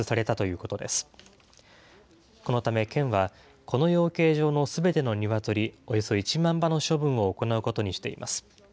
このため県は、この養鶏場のすべてのニワトリ、およそ１万羽の処分を行うことにしています。